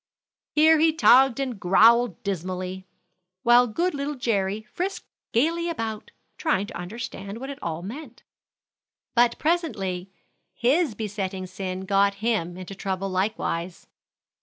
Here he tugged and growled dismally, while good little Jerry frisked gayly about, trying to understand what it all meant. But presently his besetting sin got him into trouble likewise.